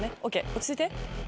落ち着いて。